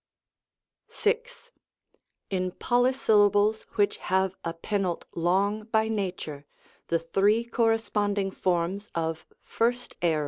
VL In polysyllables which have a penult long by nature, the three corresponding forms of 1st Aor.